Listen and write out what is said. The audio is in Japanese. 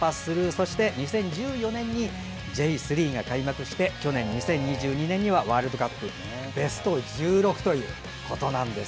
そして２０１４年、Ｊ３が開幕し去年２０２２年にはワールドカップベスト１６と。